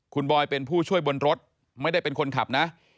คุณบอยเป็นผู้ช่วยบนรถไม่ได้เป็นคนขับนะ